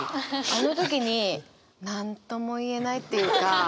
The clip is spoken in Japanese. あの時になんとも言えないっていうか。